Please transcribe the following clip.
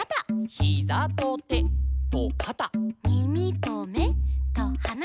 「ヒザとてとかた」「みみとめとはな」